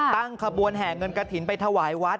ตั้งขบวนแห่เงินกฐินไปถวายวัด